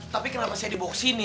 tapi kenapa saya dibawa kesini